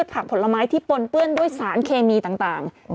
ผักผลไม้ที่ปนเปื้อนด้วยสารเคมีต่าง